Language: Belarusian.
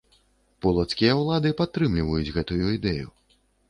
Полацкія ўлады падтрымліваюць гэтую ідэю.